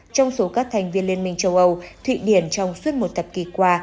trong số các thành viên liên minh châu âu thụy điển trong suốt một thập kỷ qua